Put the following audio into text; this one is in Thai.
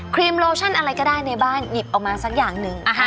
รีมโลชั่นอะไรก็ได้ในบ้านหยิบออกมาสักอย่างหนึ่ง